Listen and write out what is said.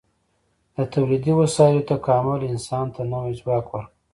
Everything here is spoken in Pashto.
د تولیدي وسایلو تکامل انسان ته نوی ځواک ورکړ.